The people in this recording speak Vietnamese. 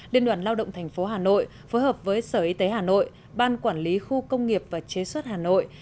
liên đoàn lao động thành phố hà nội phối hợp với sở y tế hà nội ban quản lý khu công nghiệp và chế suất hà nội